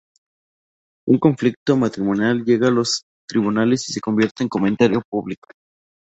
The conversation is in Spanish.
Un conflicto matrimonial llega a los Tribunales y se convierte en comentario público.